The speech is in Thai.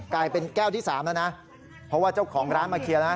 กลายเป็นแก้วที่สามแล้วนะเพราะว่าเจ้าของร้านมาเคลียร์แล้ว